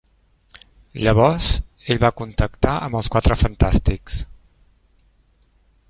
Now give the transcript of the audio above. Llavors ell va contactar amb els Quatre Fantàstics.